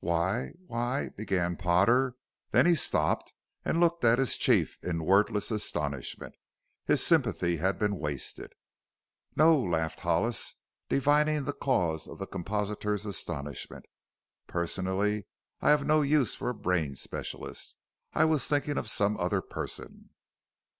"Why why " began Potter. Then he stopped and looked at his chief in wordless astonishment. His sympathy had been wasted. "No," laughed Hollis, divining the cause of the compositor's astonishment, "personally I have no use for a brain specialist. I was thinking of some other person."